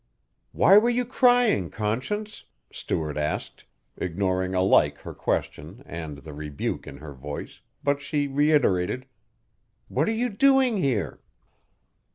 "Why were you crying, Conscience?" Stuart asked, ignoring alike her question and the rebuke in her voice, but she reiterated, "What are you doing here?"